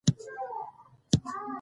یو ماشوم وايي زه ډاکټر جوړ شم.